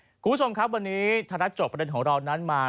คุณผู้ชมครับวันนี้ธนัดจบประเด็นของเรานั้นมา